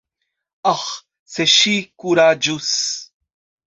Aĥ, se ŝi kuraĝus!